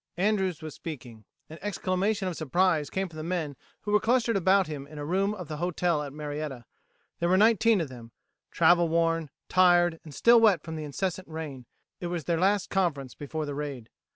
Andrews was speaking. An exclamation of surprise came from the men who were clustered about him in a room of the hotel at Marietta. There were nineteen of them; travel worn, tired and still wet from the incessant rain. It was their last conference before the raid.